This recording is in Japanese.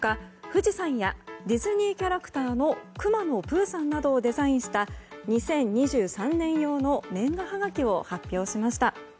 富士山やディズニーキャラクターのくまのプーさんなどをデザインした２０２３年用の年賀はがきを発表しました。